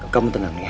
kamu tenang ya